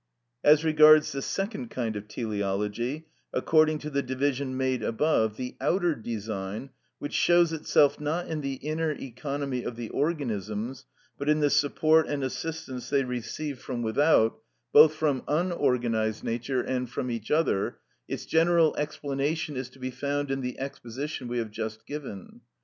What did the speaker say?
(39) As regards the second kind of teleology, according to the division made above, the outer design, which shows itself, not in the inner economy of the organisms, but in the support and assistance they receive from without, both from unorganised nature and from each other; its general explanation is to be found in the exposition we have just given.